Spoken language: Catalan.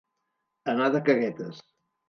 Anar de caguetes.